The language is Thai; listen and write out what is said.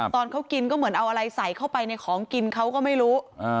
ตอนเขากินก็เหมือนเอาอะไรใส่เข้าไปในของกินเขาก็ไม่รู้